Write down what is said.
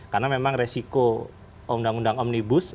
karena memang resiko undang undang omnibus